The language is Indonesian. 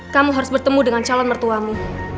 kamu harus bertemu dengan calon mertuami